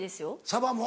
サバも？